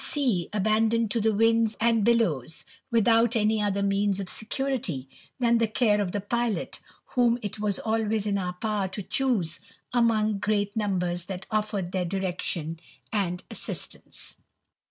sea, abandoned to the winds and billows, without any I other means of security than the care of the pilot, whom [ 't was always in our power to choose among great numbers Uiat offered their direction and assistance.